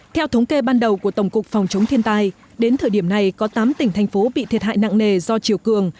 theo thống kê ban đầu của tổng cục phòng chống thiên tai đến thời điểm này có tám tỉnh thành phố bị thiệt hại nặng nề do chiều cường